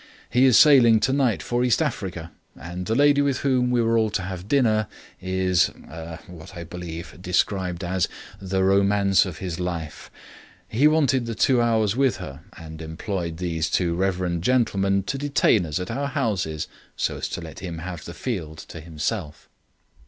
He is sailing tonight for East Africa, and the lady with whom we were all to have dined is er what is I believe described as 'the romance of his life'. He wanted that two hours with her, and employed these two reverend gentlemen to detain us at our houses so as to let him have the field to himself."